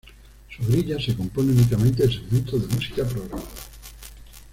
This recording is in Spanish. Su grilla se compone únicamente de segmentos de música programada.